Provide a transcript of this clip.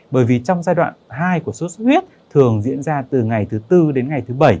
bởi vì trong giai đoạn hai của sốt xuất huyết thường diễn ra từ ngày thứ tư đến ngày thứ bảy